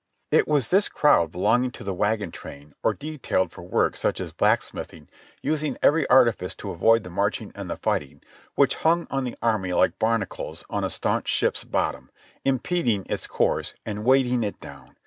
It was this crowd belonging to the wagon train or detailed for work such as blacksmithing, using every artifice to avoid the marching and the fighting, which hung on the army like barnacles on a staunch ship's bottom, impeding its course and weighting it down.